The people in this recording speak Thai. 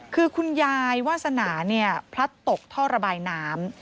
คือคุณยายวาสนาเนี่ยพลัดตกท่อระบายน้ำ